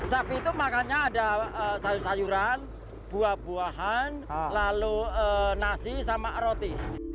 sapi itu makannya ada sayur sayuran buah buahan lalu nasi sama roti